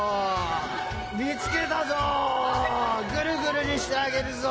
みつけたぞグルグルにしてあげるぞ。